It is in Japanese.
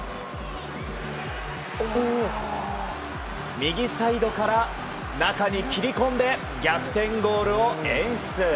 右サイドから、中に切り込んで逆転ゴールを演出。